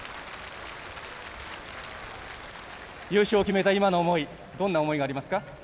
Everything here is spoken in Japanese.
優勝を決めた今の思いどんな思いがありますか？